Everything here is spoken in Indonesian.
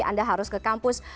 anda harus ke kampus